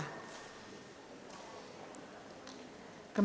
นายโกวิทย์บุญทวีค่ะราชกรรมค่ะ